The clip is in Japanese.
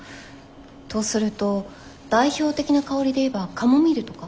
とすると代表的な香りで言えばカモミールとか？